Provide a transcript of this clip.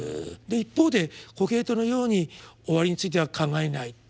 で一方でコヘレトのように「終わりについては考えない。